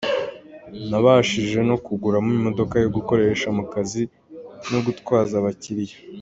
Nabashije no kuguramo imodoka yo gukoresha mu kazi no gutwaza abakiriya,….